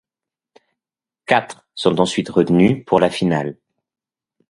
Quatre sont ensuite retenus pour la finale.